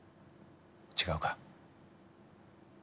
違うか？